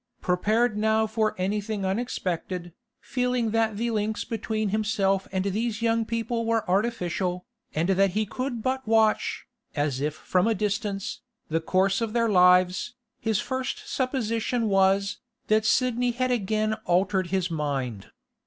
Prepared now for anything unexpected, feeling that the links between himself and these young people were artificial, and that he could but watch, as if from a distance, the course of their lives, his first supposition was, that Sidney had again altered his mind.